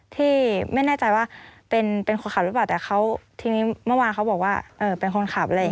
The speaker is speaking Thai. ที่ไม่แน่ใจว่าเป็นคนขับหรือเปล่าแต่ทีนี้เมื่อวานเขาบอกว่าเป็นคนขับ